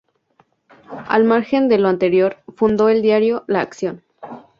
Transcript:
Al margen de lo anterior, fundó el diario "La Acción".